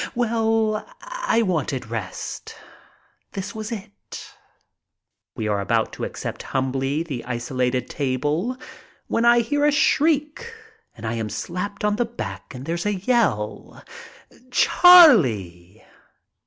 Well, I wanted rest. This was it. We are about to accept humbly the isolated table, when I hear a shriek and I am slapped on the back and there's a yell: "Chariie!"